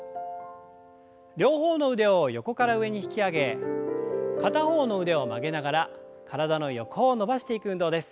両方の腕を横から上に引き上げ片方の腕を曲げながら体の横を伸ばしていく運動です。